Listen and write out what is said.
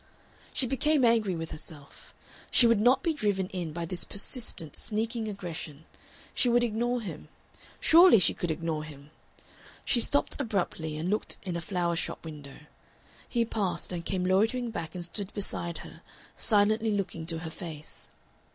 She became angry with herself. She would not be driven in by this persistent, sneaking aggression. She would ignore him. Surely she could ignore him. She stopped abruptly, and looked in a flower shop window. He passed, and came loitering back and stood beside her, silently looking into her face.